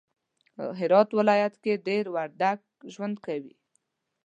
هرات ولایت کی دیر وردگ ژوند کوی